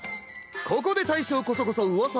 ここで大正コソコソ噂話。